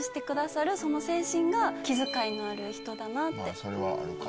まぁそれはあるか。